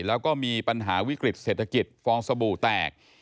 แล้วก็มีปัญหาวิกฤตเศรษฐกิจฟองสบู่แตก